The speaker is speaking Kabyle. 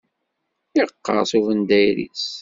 Yeqqerṣ ubendayer-is.